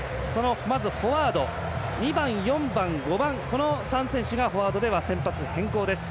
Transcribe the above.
まずフォワード２番４番、５番、この３選手がフォワードでは先発変更です。